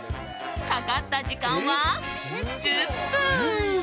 かかった時間は１０分。